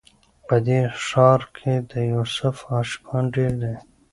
په دې ښار کي د یوسف عاشقان ډیر دي